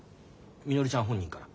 みのりちゃん本人から。